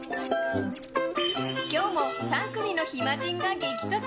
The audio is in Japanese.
今日も３組の暇人が激突。